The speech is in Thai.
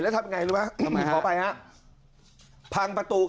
อาทิตย์๒๕อาทิตย์